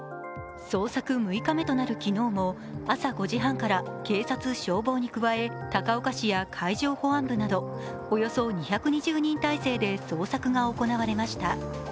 捜査６日目となる昨日も朝５時半から警察、消防に加え、高岡市の海上保安部などおよそ２２０態勢で捜索が行われました。